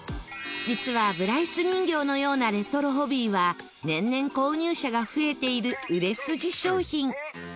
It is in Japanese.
実はブライス人形のようなレトロホビーは年々購入者が増えている売れ筋商品。